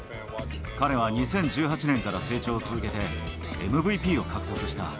彼は２０１８年から成長を続けて、ＭＶＰを獲得した。